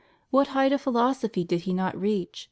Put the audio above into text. What height of philosophy did he not reach?